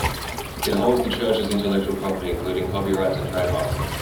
It holds the church's intellectual property, including copyrights and trademarks.